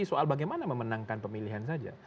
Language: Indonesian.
soal bagaimana memenangkan pemilihan saja